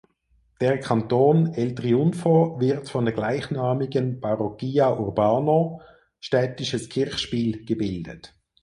Der Kanton El Triunfo wird von der gleichnamigen Parroquia urbana („städtisches Kirchspiel“) gebildet.